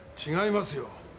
違いますよ。